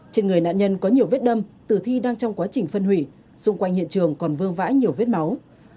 trên người nạn nhân có nhiều vết đâm tử thi đang trong quá trình phân hủy xung quanh hiện trường còn vương vãi nhiều vết máu